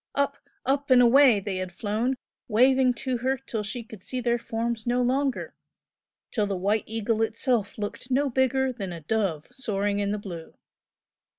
Up, up and away they had flown, waving to her till she could see their forms no longer till the "White Eagle" itself looked no bigger than a dove soaring in the blue.